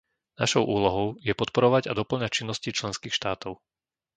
Našou úlohou je podporovať a dopĺňať činnosti členských štátov.